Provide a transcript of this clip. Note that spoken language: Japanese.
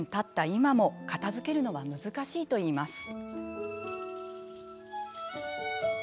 今も片づけるのは難しいといいます。